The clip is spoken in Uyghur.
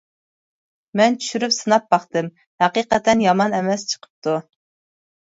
مەن چۈشۈرۈپ سىناپ باقتىم، ھەقىقەتەن يامان ئەمەس چىقىپتۇ.